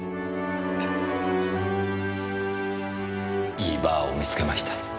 いいバーを見つけました。